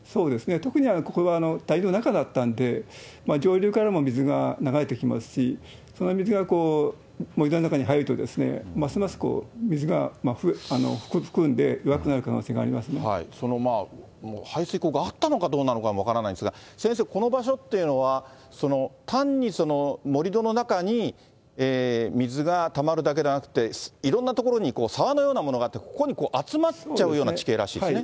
特にここはだいぶ中だったんで、上流からも水が流れてきますし、その水が盛り土の中に、盛り土の中に入ると、ますます水が含んで、弱くなる可能性がありその排水溝があったのかどうかも分からないんですが、先生、この場所っていうのは、単に盛り土の中に水がたまるだけではなくて、いろんな所に沢のようなものがあって、ここに集まっちゃうような地形らしいですね。